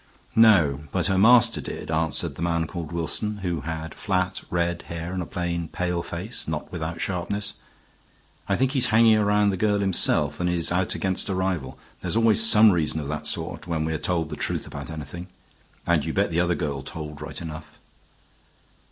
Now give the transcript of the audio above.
"No, but her master did," answered the man called Wilson, who had flat, red hair and a plain, pale face, not without sharpness. "I think he's hanging round the girl himself and is out against a rival. There's always some reason of that sort when we are told the truth about anything. And you bet the other girl told right enough."